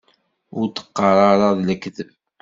Ur d-qqar ara d lekdeb!